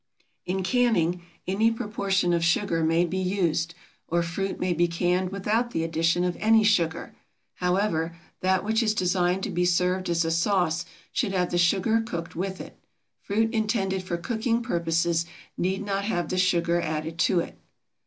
In canning, any proportion of sugar may be used, or fruit may be canned without the addition of any sugar. However, that which is designed to be served as a sauce should have the sugar cooked with it. Fruit intended for cooking purposes need not have the sugar added to it.